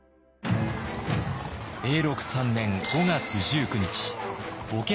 永禄３年５月１９日